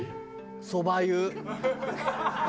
そば湯。